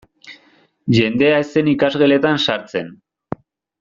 Jendea ez zen ikasgeletan sartzen.